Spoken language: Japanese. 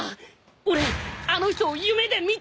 俺あの人を夢で見た！